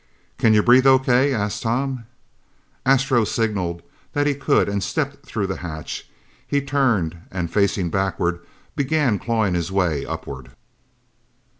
"Can you breathe O.K.?" asked Tom. Astro signaled that he could and stepped through the hatch. He turned, and facing backward, began clawing his way upward.